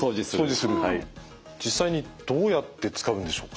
実際にどうやって使うんでしょうか？